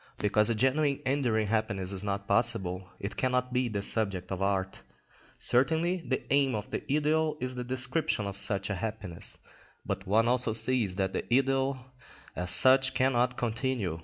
Because a genuine enduring happiness is not possible, it cannot be the subject of art. Certainly the aim of the idyll is the description of such a happiness, but one also sees that the idyll as such cannot continue.